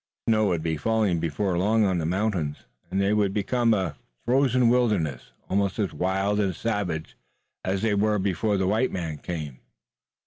Snow would be falling before long on the mountains, and they would become a frozen wilderness, almost as wild and savage as they were before the white man came.